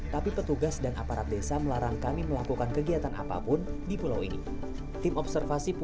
tapi petugas dan aparat desa melarang kami melakukan kegiatan apapun di pulau ini tim observasi